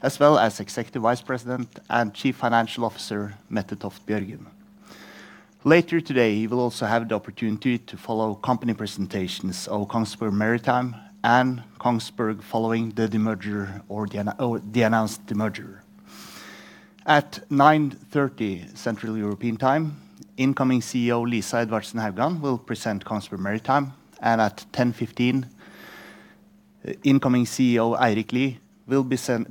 As well as Executive Vice President and Chief Financial Officer Mette Toft Bjørgen. Later today you will also have the opportunity to follow company presentations of Kongsberg Maritime and Kongsberg following the demerger, or the announced demerger. At 9:30 A.M. Central European Time, incoming CEO Lisa Edvardsen Haugan will present Kongsberg Maritime, and at 10:15 A.M. incoming CEO Eirik Lie will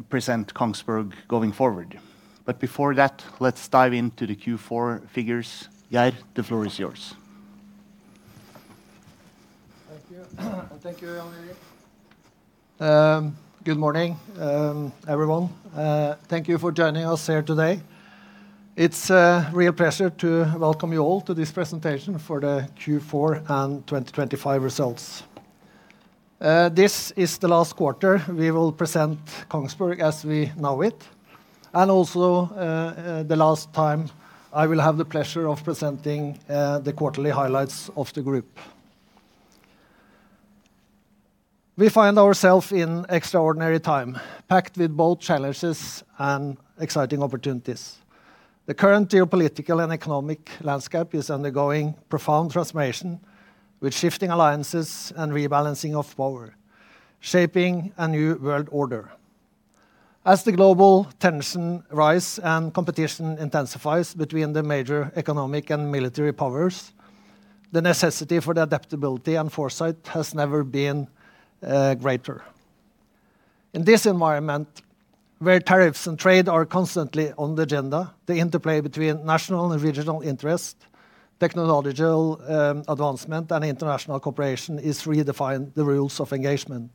present Kongsberg going forward. But before that, let's dive into the Q4 figures. Geir, the floor is yours. Thank you. Thank you, Jan Erik. Good morning, everyone. Thank you for joining us here today. It's a real pleasure to welcome you all to this presentation for the Q4 and 2025 results. This is the last quarter we will present Kongsberg as we know it, and also the last time I will have the pleasure of presenting the quarterly highlights of the group. We find ourselves in extraordinary time, packed with both challenges and exciting opportunities. The current geopolitical and economic landscape is undergoing profound transformation, with shifting alliances and rebalancing of power shaping a new world order. As the global tension rise and competition intensifies between the major economic and military powers, the necessity for the adaptability and foresight has never been greater. In this environment, where tariffs and trade are constantly on the agenda, the interplay between national and regional interest, technological advancement, and international cooperation is redefining the rules of engagement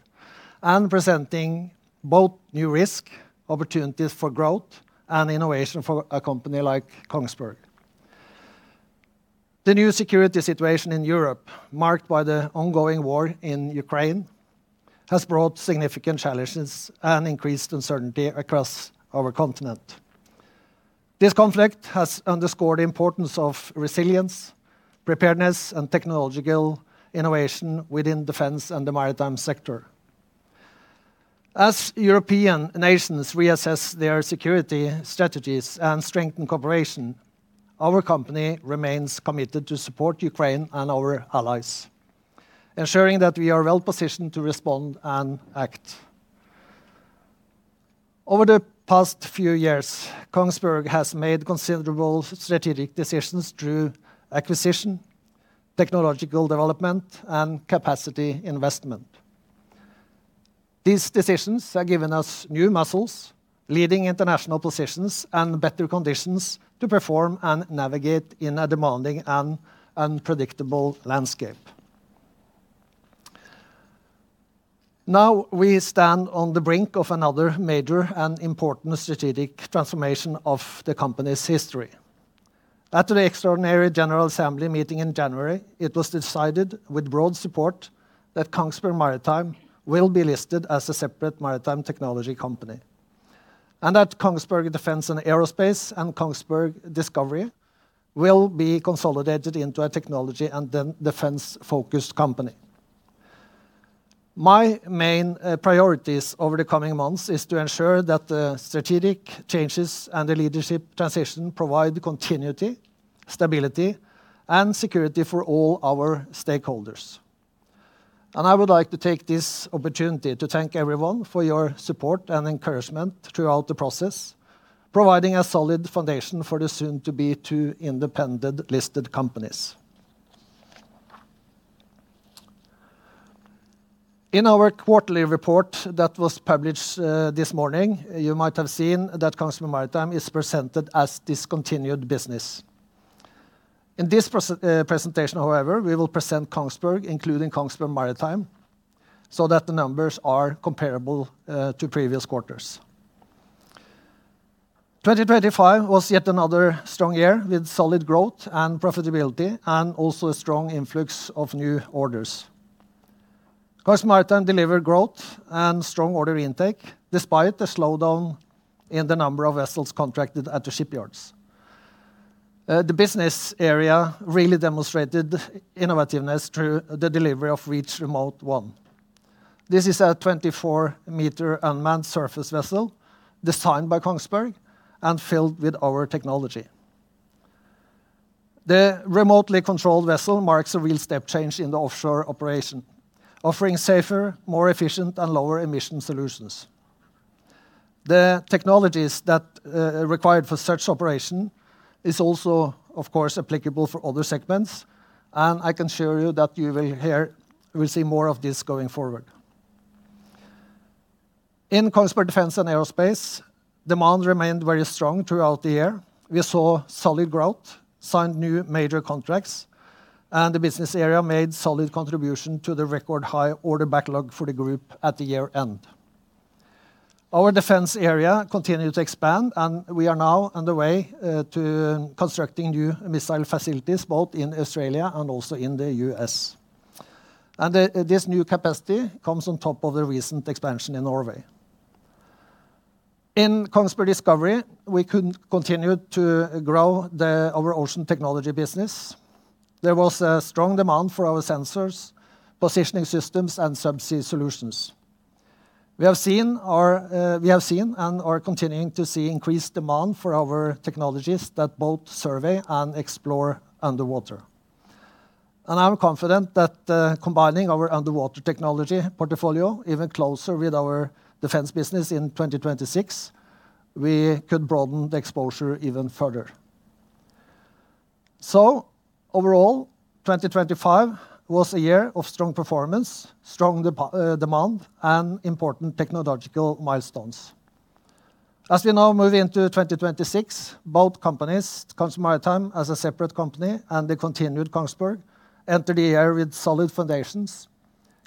and presenting both new risk opportunities for growth and innovation for a company like Kongsberg. The new security situation in Europe, marked by the ongoing war in Ukraine, has brought significant challenges and increased uncertainty across our continent. This conflict has underscored the importance of resilience, preparedness, and technological innovation within defense and the maritime sector. As European nations reassess their security strategies and strengthen cooperation, our company remains committed to support Ukraine and our allies, ensuring that we are well positioned to respond and act. Over the past few years, Kongsberg has made considerable strategic decisions through acquisition, technological development, and capacity investment. These decisions have given us new muscles, leading international positions, and better conditions to perform and navigate in a demanding and unpredictable landscape. Now we stand on the brink of another major and important strategic transformation of the company's history. After the extraordinary General Assembly meeting in January, it was decided with broad support that Kongsberg Maritime will be listed as a separate maritime technology company, and that Kongsberg Defence & Aerospace and Kongsberg Discovery will be consolidated into a technology and defense-focused company. My main priorities over the coming months are to ensure that the strategic changes and the leadership transition provide continuity, stability, and security for all our stakeholders. I would like to take this opportunity to thank everyone for your support and encouragement throughout the process, providing a solid foundation for the soon-to-be two independent listed companies. In our quarterly report that was published this morning, you might have seen that Kongsberg Maritime is presented as discontinued business. In this presentation, however, we will present Kongsberg, including Kongsberg Maritime, so that the numbers are comparable to previous quarters. 2025 was yet another strong year with solid growth and profitability, and also a strong influx of new orders. Kongsberg Maritime delivered growth and strong order intake despite a slowdown in the number of vessels contracted at the shipyards. The business area really demonstrated innovativeness through the delivery of Reach Remote 1. This is a 24 m unmanned surface vessel designed by Kongsberg and filled with our technology. The remotely controlled vessel marks a real step change in the offshore operation, offering safer, more efficient, and lower emission solutions. The technologies that are required for such operation are also, of course, applicable for other segments, and I can assure you that you will see more of this going forward. In Kongsberg Defence & Aerospace, demand remained very strong throughout the year. We saw solid growth, signed new major contracts, and the business area made a solid contribution to the record high order backlog for the group at the year's end. Our defense area continued to expand, and we are now underway with constructing new missile facilities both in Australia and also in the U.S.. This new capacity comes on top of the recent expansion in Norway. In Kongsberg Discovery, we continued to grow our ocean technology business. There was a strong demand for our sensors, positioning systems, and subsea solutions. We have seen, and are continuing to see, increased demand for our technologies that both survey and explore underwater. I'm confident that combining our underwater technology portfolio even closer with our defense business in 2026, we could broaden the exposure even further. Overall, 2025 was a year of strong performance, strong demand, and important technological milestones. As we now move into 2026, both companies, Kongsberg Maritime as a separate company and the continued Kongsberg, enter the year with solid foundations,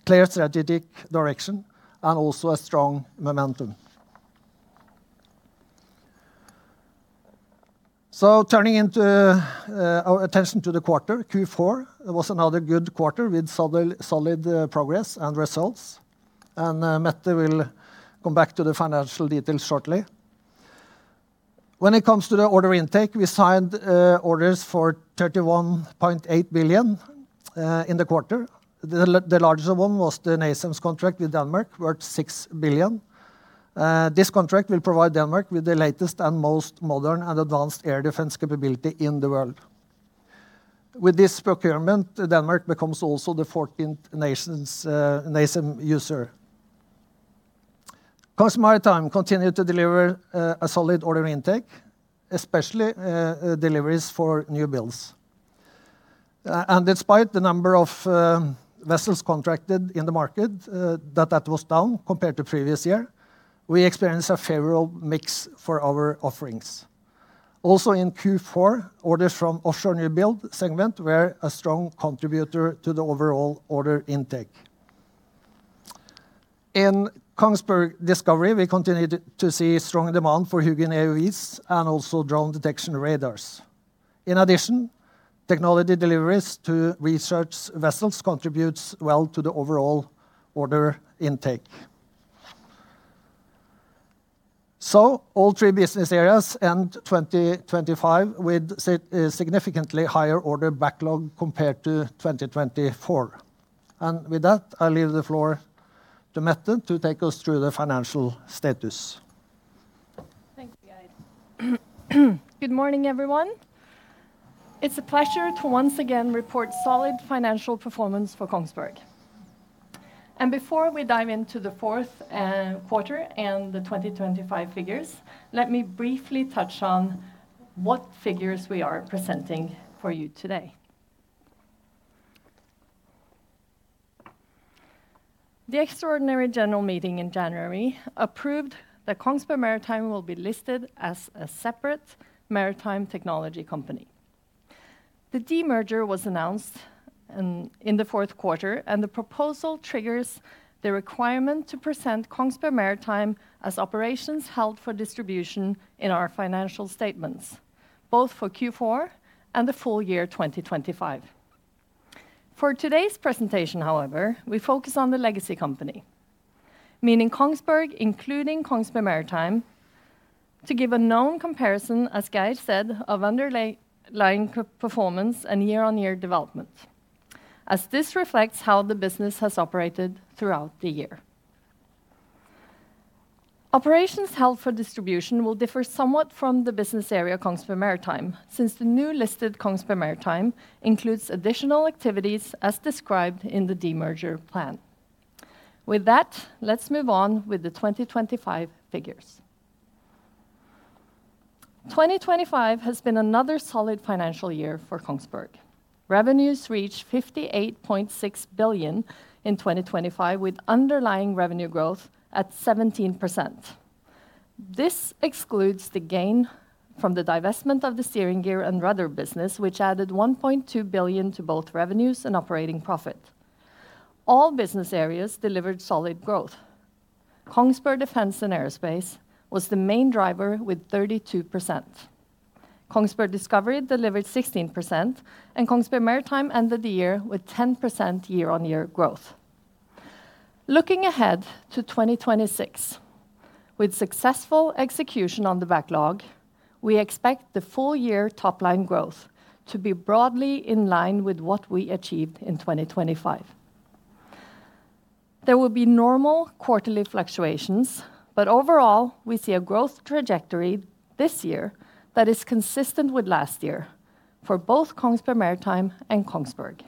clear strategic direction, and also a strong momentum. Turning our attention to the quarter, Q4, it was another good quarter with solid progress and results. Mette will come back to the financial details shortly. When it comes to the order intake, we signed orders for 31.8 billion in the quarter. The largest one was the NASAMS contract with Denmark, worth 6 billion. This contract will provide Denmark with the latest and most modern and advanced air defense capability in the world. With this procurement, Denmark becomes also the 14th NASAMS user. Kongsberg Maritime continued to deliver a solid order intake, especially deliveries for new builds. And despite the number of vessels contracted in the market, that was down compared to the previous year, we experienced a favorable mix for our offerings. Also in Q4, orders from offshore new build segments were a strong contributor to the overall order intake. In Kongsberg Discovery, we continued to see strong demand for HUGIN AUVs and also drone detection radars. In addition, technology deliveries to research vessels contribute well to the overall order intake. So all three business areas end 2025 with a significantly higher order backlog compared to 2024. And with that, I leave the floor to Mette to take us through the financial status. Thank you, Geir. Good morning, everyone. It's a pleasure to once again report solid financial performance for Kongsberg. Before we dive into the fourth quarter and the 2025 figures, let me briefly touch on what figures we are presenting for you today. The extraordinary general meeting in January approved that Kongsberg Maritime will be listed as a separate maritime technology company. The demerger was announced in the fourth quarter, and the proposal triggers the requirement to present Kongsberg Maritime as operations held for distribution in our financial statements, both for Q4 and the full-year 2025. For today's presentation, however, we focus on the legacy company, meaning Kongsberg, including Kongsberg Maritime, to give a known comparison, as Geir said, of underlying performance and year-on-year development, as this reflects how the business has operated throughout the year. Operations held for distribution will differ somewhat from the business area Kongsberg Maritime since the new listed Kongsberg Maritime includes additional activities as described in the demerger plan. With that, let's move on with the 2025 figures. 2025 has been another solid financial year for Kongsberg. Revenues reached 58.6 billion in 2025, with underlying revenue growth at 17%. This excludes the gain from the divestment of the steering gear and rudder business, which added 1.2 billion to both revenues and operating profit. All business areas delivered solid growth. Kongsberg Defence & Aerospace was the main driver with 32%. Kongsberg Discovery delivered 16%, and Kongsberg Maritime ended the year with 10% year-on-year growth. Looking ahead to 2026, with successful execution on the backlog, we expect the full-year top-line growth to be broadly in line with what we achieved in 2025. There will be normal quarterly fluctuations, but overall we see a growth trajectory this year that is consistent with last year for both Kongsberg Maritime and Kongsberg.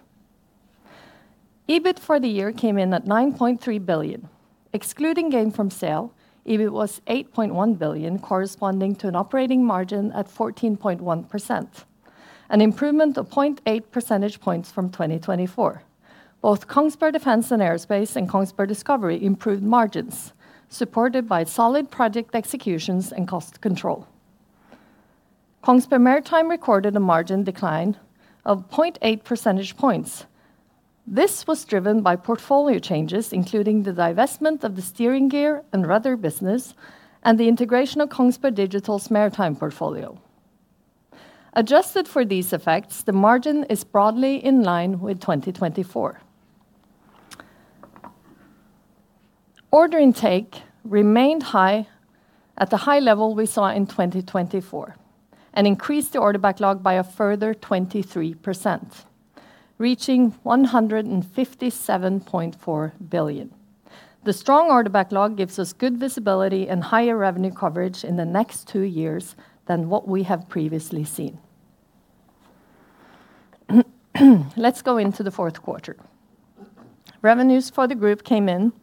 EBIT for the year came in at 9.3 billion. Excluding gain from sale, EBIT was 8.1 billion, corresponding to an operating margin at 14.1%, an improvement of 0.8 percentage points from 2024. Both Kongsberg Defence & Aerospace and Kongsberg Discovery improved margins, supported by solid project executions and cost control. Kongsberg Maritime recorded a margin decline of 0.8 percentage points. This was driven by portfolio changes, including the divestment of the steering gear and rudder business and the integration of Kongsberg Digital's maritime portfolio. Adjusted for these effects, the margin is broadly in line with 2024. Order intake remained high at the high level we saw in 2024 and increased the order backlog by a further 23%, reaching 157.4 billion. The strong order backlog gives us good visibility and higher revenue coverage in the next two years than what we have previously seen. Let's go into the fourth quarter. Revenues for the group came in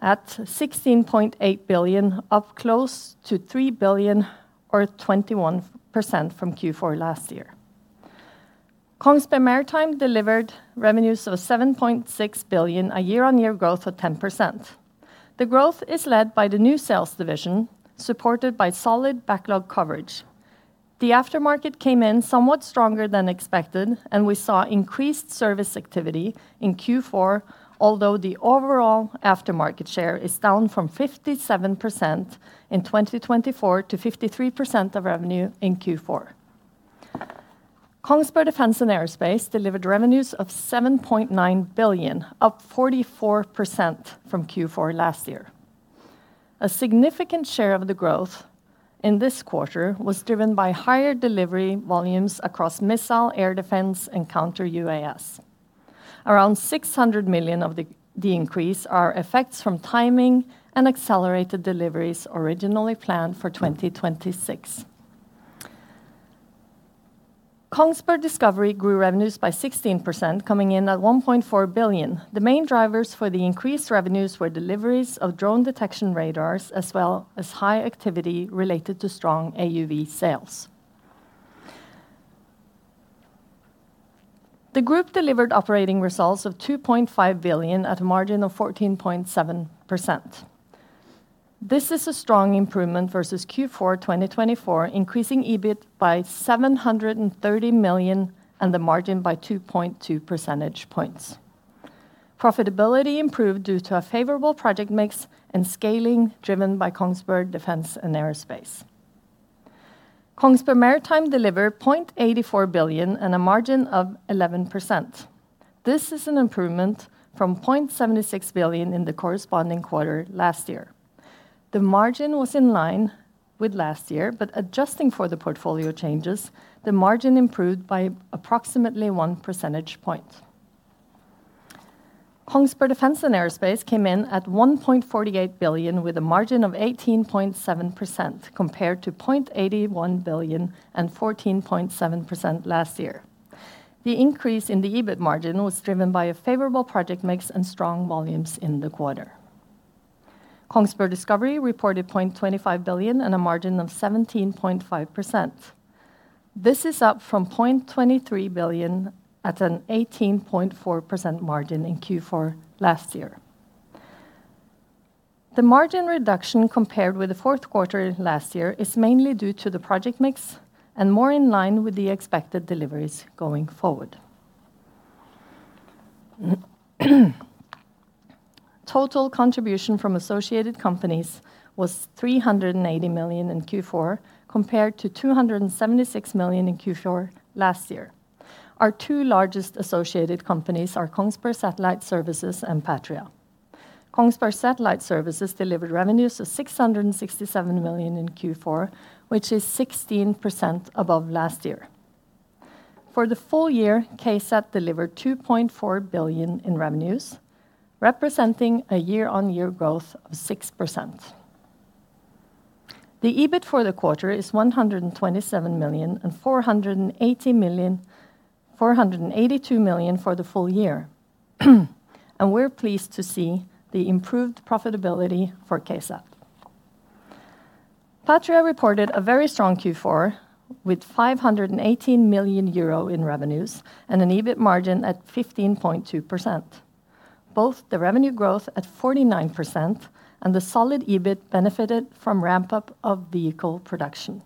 at 16.8 billion, up close to 3 billion or 21% from Q4 last year. Kongsberg Maritime delivered revenues of 7.6 billion, a year-on-year growth of 10%. The growth is led by the new sales division, supported by solid backlog coverage. The aftermarket came in somewhat stronger than expected, and we saw increased service activity in Q4, although the overall aftermarket share is down from 57% in 2024 to 53% of revenue in Q4. Kongsberg Defence & Aerospace delivered revenues of 7.9 billion, up 44% from Q4 last year. A significant share of the growth in this quarter was driven by higher delivery volumes across missile, air defense, and counter-UAS. Around 600 million of the increase are effects from timing and accelerated deliveries originally planned for 2026. Kongsberg Discovery grew revenues by 16%, coming in at 1.4 billion. The main drivers for the increased revenues were deliveries of drone detection radars as well as high activity related to strong AUV sales. The group delivered operating results of 2.5 billion at a margin of 14.7%. This is a strong improvement versus Q4 2024, increasing EBIT by 730 million and the margin by 2.2 percentage points. Profitability improved due to a favorable project mix and scaling driven by Kongsberg Defence & Aerospace. Kongsberg Maritime delivered 0.84 billion and a margin of 11%. This is an improvement from 0.76 billion in the corresponding quarter last year. The margin was in line with last year, but adjusting for the portfolio changes, the margin improved by approximately 1 percentage point. Kongsberg Defence & Aerospace came in at 1.48 billion, with a margin of 18.7% compared to 0.81 billion and 14.7% last year. The increase in the EBIT margin was driven by a favorable project mix and strong volumes in the quarter. Kongsberg Discovery reported 0.25 billion and a margin of 17.5%. This is up from 0.23 billion at an 18.4% margin in Q4 last year. The margin reduction compared with the fourth quarter last year is mainly due to the project mix and more in line with the expected deliveries going forward. Total contribution from associated companies was 380 million in Q4 compared to 276 million in Q4 last year. Our two largest associated companies are Kongsberg Satellite Services and Patria. Kongsberg Satellite Services delivered revenues of 667 million in Q4, which is 16% above last year. For the full-year, KSAT delivered 2.4 billion in revenues, representing a year-on-year growth of 6%. The EBIT for the quarter is 127 million and 482 million for the full-year. We're pleased to see the improved profitability for KSAT. Patria reported a very strong Q4 with 518 million euro in revenues and an EBIT margin at 15.2%, both the revenue growth at 49% and the solid EBIT benefited from ramp-up of vehicle production.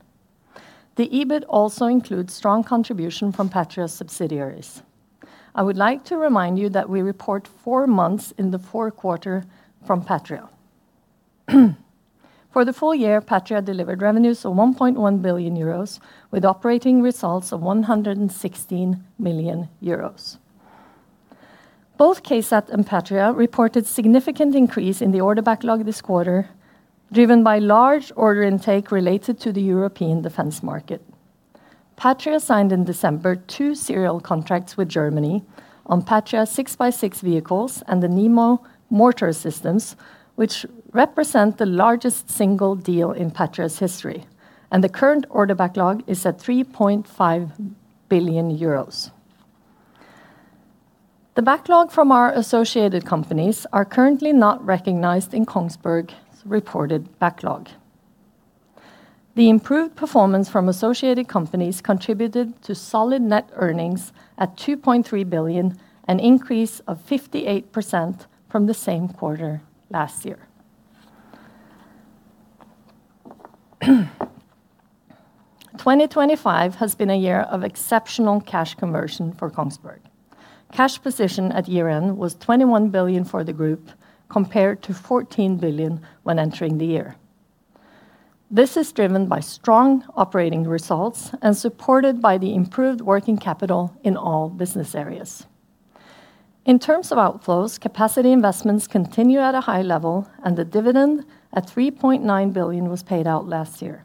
The EBIT also includes strong contribution from Patria's subsidiaries. I would like to remind you that we report four months in the fourth quarter from Patria. For the full-year, Patria delivered revenues of 1.1 billion euros, with operating results of 116 million euros. Both KSAT and Patria reported significant increase in the order backlog this quarter, driven by large order intake related to the European defense market. Patria signed in December two serial contracts with Germany on Patria 6x6 vehicles and the Nemo mortar systems, which represent the largest single deal in Patria's history, and the current order backlog is at 3.5 billion euros. The backlog from our associated companies is currently not recognized in Kongsberg's reported backlog. The improved performance from associated companies contributed to solid net earnings at 2.3 billion, an increase of 58% from the same quarter last year. 2025 has been a year of exceptional cash conversion for Kongsberg. Cash position at year-end was 21 billion for the group, compared to 14 billion when entering the year. This is driven by strong operating results and supported by the improved working capital in all business areas. In terms of outflows, capacity investments continue at a high level, and the dividend at 3.9 billion was paid out last year.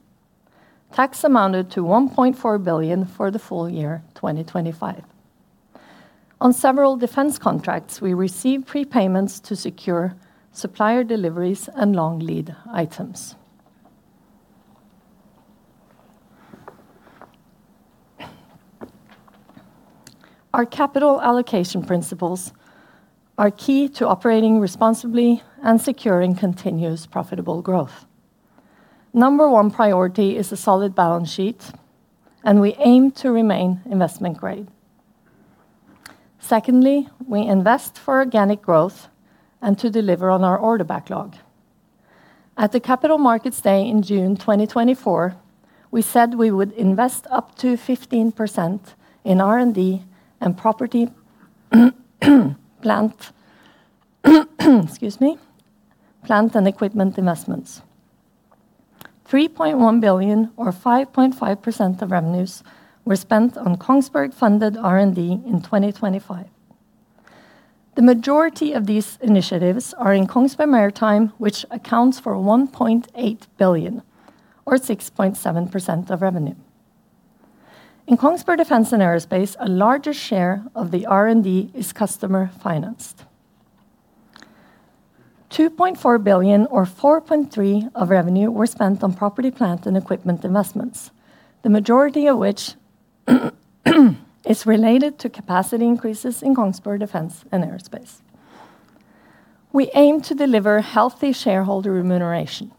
Tax amounted to 1.4 billion for the full-year 2025. On several defense contracts, we received prepayments to secure supplier deliveries and long lead items. Our capital allocation principles are key to operating responsibly and securing continuous profitable growth. Number one priority is a solid balance sheet, and we aim to remain investment grade. Secondly, we invest for organic growth and to deliver on our order backlog. At the Capital Markets Day in June 2024, we said we would invest up to 15% in R&D and property, plant and equipment investments. 3.1 billion or 5.5% of revenues were spent on Kongsberg-funded R&D in 2025. The majority of these initiatives are in Kongsberg Maritime, which accounts for 1.8 billion or 6.7% of revenue. In Kongsberg Defence & Aerospace, a larger share of the R&D is customer-financed. 2.4 billion or 4.3% of revenue were spent on property, plant, and equipment investments, the majority of which is related to capacity increases in Kongsberg Defence & Aerospace. We aim to deliver healthy shareholder remuneration.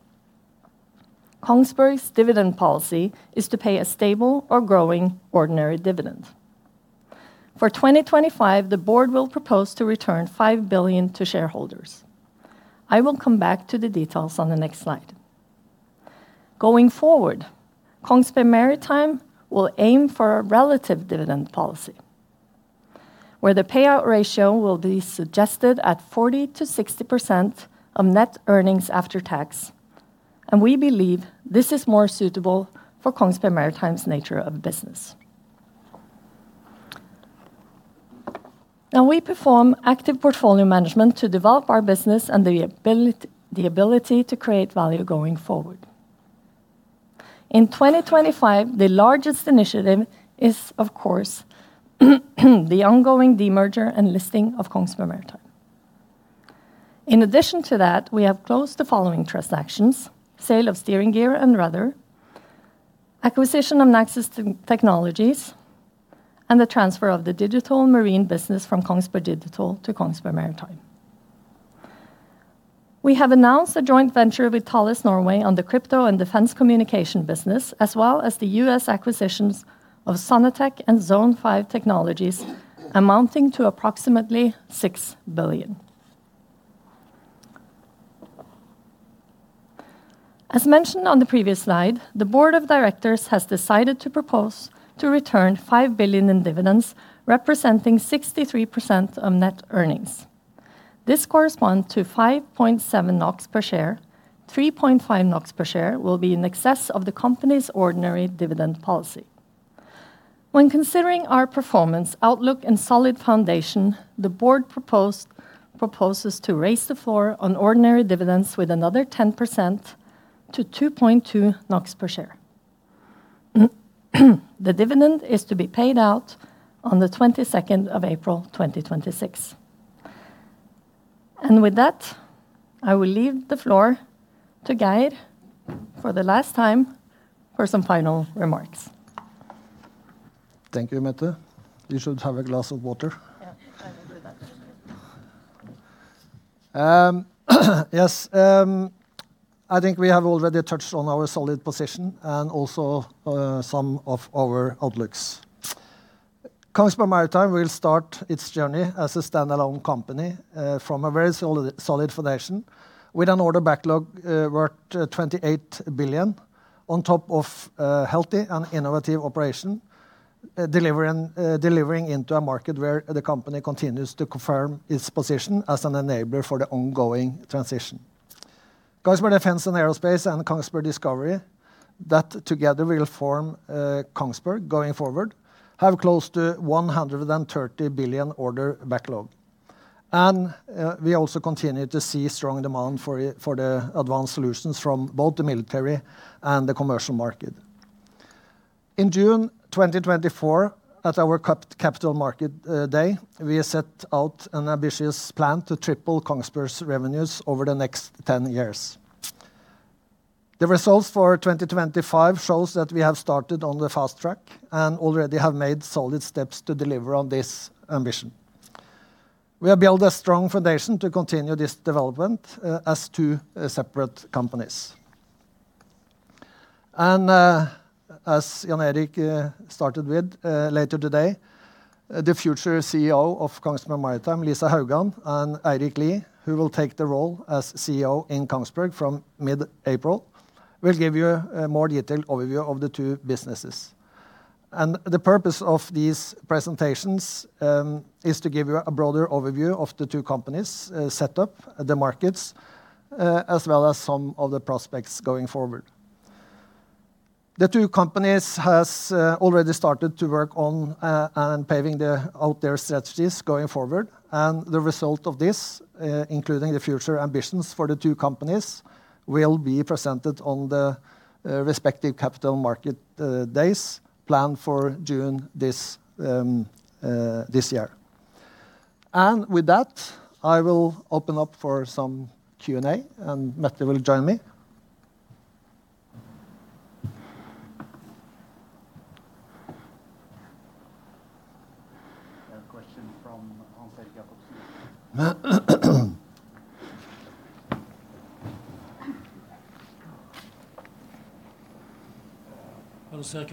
Kongsberg's dividend policy is to pay a stable or growing ordinary dividend. For 2025, the board will propose to return 5 billion to shareholders. I will come back to the details on the next slide. Going forward, Kongsberg Maritime will aim for a relative dividend policy, where the payout ratio will be suggested at 40%-60% of net earnings after tax, and we believe this is more suitable for Kongsberg Maritime's nature of business. Now, we perform active portfolio management to develop our business and the ability to create value going forward. In 2025, the largest initiative is, of course, the ongoing demerger and listing of Kongsberg Maritime. In addition to that, we have closed the following transactions: sale of steering gear and rudder, acquisition of Naxys Technologies, and the transfer of the digital marine business from Kongsberg Digital to Kongsberg Maritime. We have announced a joint venture with Thales Norway on the crypto and defense communication business, as well as the U.S. acquisitions of Sonatech and Zone 5 Technologies, amounting to approximately NOK 6 billion. As mentioned on the previous slide, the Board of Directors has decided to propose to return 5 billion in dividends, representing 63% of net earnings. This corresponds to 5.7 NOK per share. 3.5 NOK per share will be in excess of the company's ordinary dividend policy. When considering our performance outlook and solid foundation, the board proposes to raise the floor on ordinary dividends with another 10% to 2.2 NOK per share. The dividend is to be paid out on the 22nd of April 2026. With that, I will leave the floor to Geir for the last time for some final remarks. Thank you, Mette. You should have a glass of water. Yes, I think we have already touched on our solid position and also some of our outlooks. Kongsberg Maritime will start its journey as a standalone company from a very solid foundation with an order backlog worth 28 billion, on top of a healthy and innovative operation, delivering into a market where the company continues to confirm its position as an enabler for the ongoing transition. Kongsberg Defence & Aerospace and Kongsberg Discovery, that together will form Kongsberg going forward, have closed to 130 billion order backlog. We also continue to see strong demand for the advanced solutions from both the military and the commercial market. In June 2024, at our Capital Markets Day, we set out an ambitious plan to triple Kongsberg's revenues over the next 10 years. The results for 2025 show that we have started on the fast track and already have made solid steps to deliver on this ambition. We have built a strong foundation to continue this development as two separate companies. And as Jan Erik started with later today, the future CEO of Kongsberg Maritime, Lisa Haugan, and Eirik Lie, who will take the role as CEO in Kongsberg from mid-April, will give you a more detailed overview of the two businesses. The purpose of these presentations is to give you a broader overview of the two companies' setup, the markets, as well as some of the prospects going forward. The two companies have already started to work on paving out their strategies going forward, and the result of this, including the future ambitions for the two companies, will be presented on the respective Capital Markets Day planned for June this year. With that, I will open up for some Q&A, and Mette will join me. We have a question from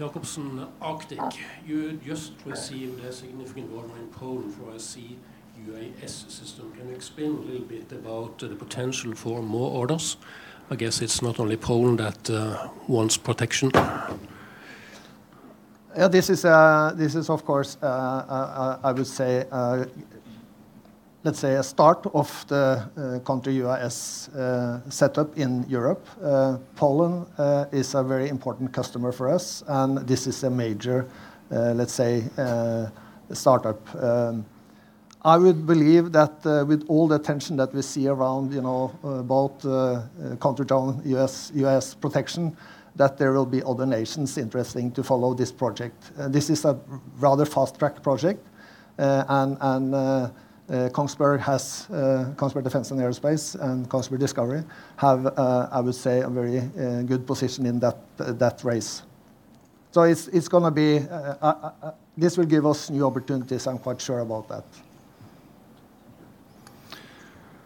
Hans-Erik Jacobsen. Hans-Erik Jacobsen, Arctic. You just received a significant order in Poland for a C-UAS system. Can you explain a little bit about the potential for more orders? I guess it's not only Poland that wants protection. Yeah, this is, of course, I would say, let's say, a start of the counter-UAS setup in Europe. Poland is a very important customer for us, and this is a major, let's say, startup. I would believe that with all the attention that we see around both counter-drone UAS protection, that there will be other nations interested in following this project. This is a rather fast-track project, and Kongsberg Defence & Aerospace and Kongsberg Discovery have, I would say, a very good position in that race. So it's going to be. This will give us new opportunities, I'm quite sure about that.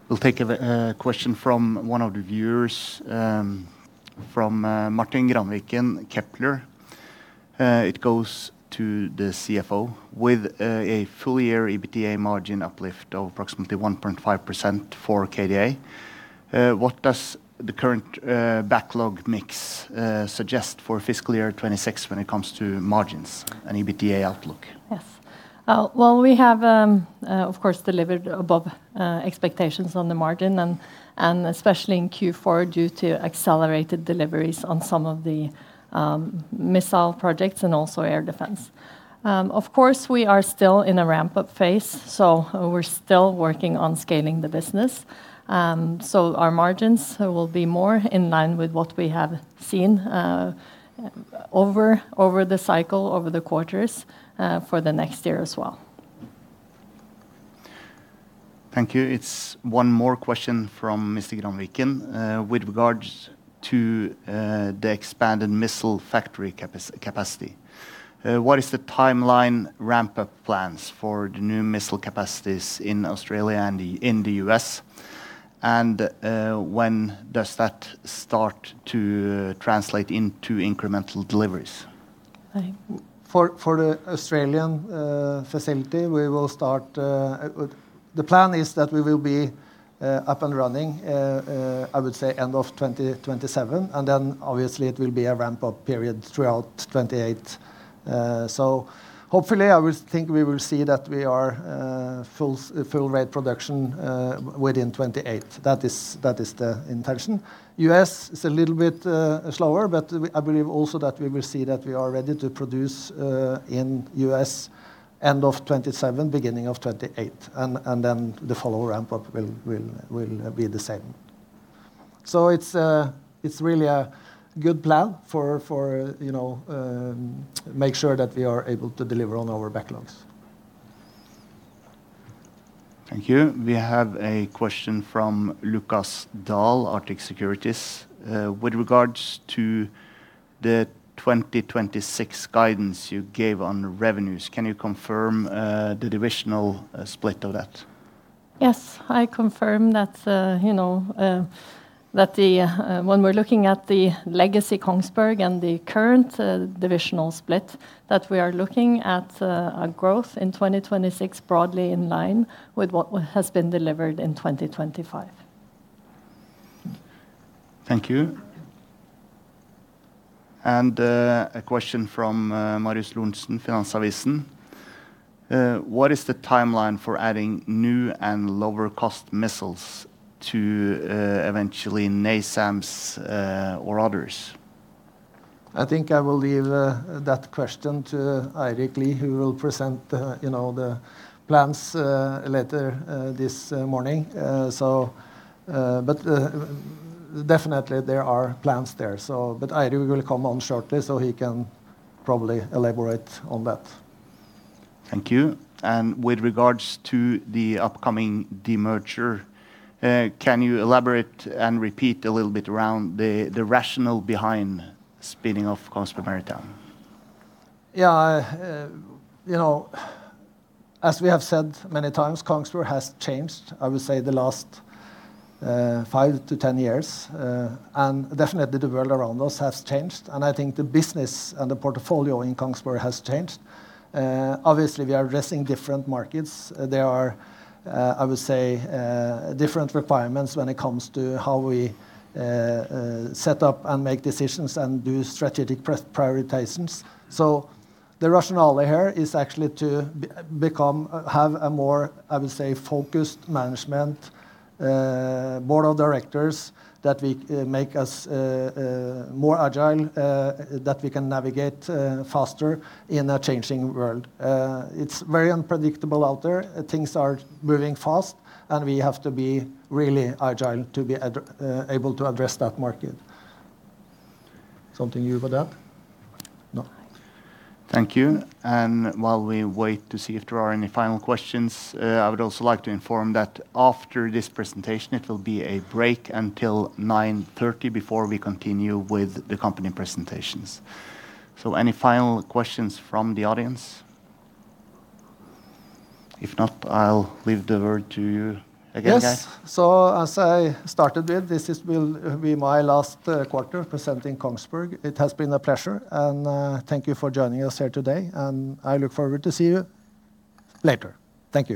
We'll take a question from one of the viewers, from Martin Granviken, Kepler. It goes to the CFO. With a full-year EBITDA margin uplift of approximately 1.5% for KDA, what does the current backlog mix suggest for fiscal year 2026 when it comes to margins, an EBITDA outlook? Yes. Well, we have, of course, delivered above expectations on the margin, and especially in Q4 due to accelerated deliveries on some of the missile projects and also air defense. Of course, we are still in a ramp-up phase, so we're still working on scaling the business. So our margins will be more in line with what we have seen over the cycle, over the quarters, for the next year as well. Thank you. It's one more question from Mr. Granviken with regards to the expanded missile factory capacity. What are the timeline ramp-up plans for the new missile capacities in Australia and in the U.S.? And when does that start to translate into incremental deliveries? For the Australian facility, we will start, the plan is that we will be up and running, I would say, end of 2027, and then obviously it will be a ramp-up period throughout 2028. So hopefully, I think we will see that we are full-rate production within 2028. That is the intention. The U.S. is a little bit slower, but I believe also that we will see that we are ready to produce in the U.S. end of 2027, beginning of 2028, and then the follow-up ramp-up will be the same. So it's really a good plan to make sure that we are able to deliver on our backlogs. Thank you. We have a question from Lukas Daul, Arctic Securities. With regards to the 2026 guidance you gave on revenues, can you confirm the divisional split of that? Yes, I confirm that when we're looking at the legacy Kongsberg and the current divisional split, that we are looking at a growth in 2026 broadly in line with what has been delivered in 2025. Thank you. And a question from Marius Lorentzen, Finansavisen. What is the timeline for adding new and lower-cost missiles to eventually NASAMS or others? I think I will leave that question to Eirik Lie, who will present the plans later this morning. But definitely, there are plans there. But Eirik will come on shortly, so he can probably elaborate on that. Thank you. And with regards to the upcoming demerger, can you elaborate and repeat a little bit around the rationale behind spinning off Kongsberg Maritime? Yeah, as we have said many times, Kongsberg has changed, I would say, the last five to 10 years. And definitely, the world around us has changed, and I think the business and the portfolio in Kongsberg has changed. Obviously, we are addressing different markets. There are, I would say, different requirements when it comes to how we set up and make decisions and do strategic prioritizations. So the rationale here is actually to have a more, I would say, focused management, Board of Directors that make us more agile, that we can navigate faster in a changing world. It's very unpredictable out there. Things are moving fast, and we have to be really agile to be able to address that market. Something new about that? No. Thank you. And while we wait to see if there are any final questions, I would also like to inform that after this presentation, it will be a break until 9:30 A.M. before we continue with the company presentations. So any final questions from the audience? If not, I'll leave the word to you again, guys. Yes. So as I started with, this will be my last quarter presenting Kongsberg. It has been a pleasure, and thank you for joining us here today. And I look forward to seeing you later. Thank you.